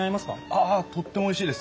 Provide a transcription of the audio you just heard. あぁとってもおいしいです。